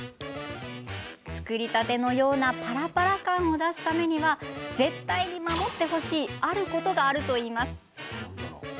作りたてのようなパラパラ感を出すためには絶対に守ってほしいあることがあるといいます。